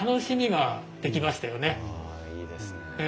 ああいいですね。